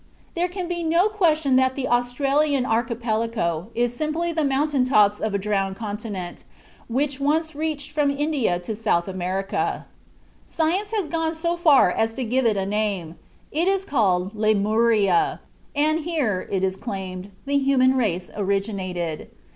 There can be no question that the Australian Archipelago is simply the mountain tops of a drowned continent, which once reached from India to South America. Science has gone so far as to even give it a name; it is called "Lemuria," and here, it is claimed, the human race originated.